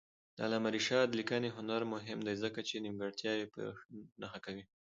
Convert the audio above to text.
د علامه رشاد لیکنی هنر مهم دی ځکه چې نیمګړتیاوې په نښه کوي.